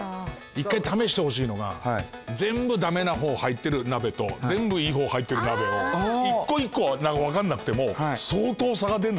１回試してほしいのが全部ダメな方入ってる鍋と全部いい方入ってる鍋を１個１個わかんなくても相当差が出るのかなっていう。